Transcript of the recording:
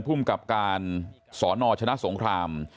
พุ่มกับการศหนว่าชนะสงคราม